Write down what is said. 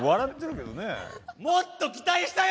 もっと期待したよ！